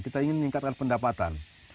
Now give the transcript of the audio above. kita ingin meningkatkan pendapatan